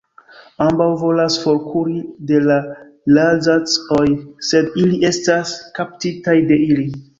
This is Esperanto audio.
Ambaŭ volas forkuri de la Ra'zac-oj, sed ili estas kaptitaj de ili.